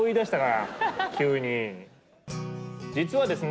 実はですね